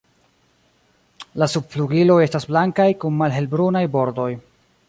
La subflugiloj estas blankaj kun malhelbrunaj bordoj.